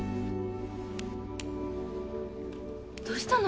どうしたの？